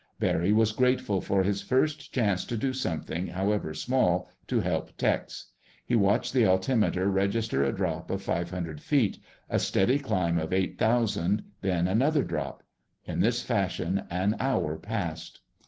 Barry was grateful for his first chance to do something, however small, to help Tex. He watched the altimeter register a drop of five hundred feet, a steady climb of eight thousand, then another drop. In this fashion an hour passed.